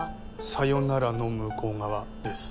さよならの向う側です。